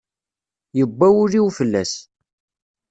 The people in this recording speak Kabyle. Yewwa wul-iw fell-as.